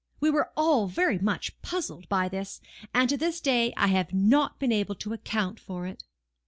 We were all very much puzzled by this, and to this day I have not been able to account for it.